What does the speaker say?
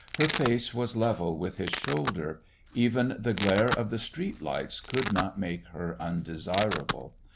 Her face was level with his shoulder. Even the glare of the street lights could not make her undesirable.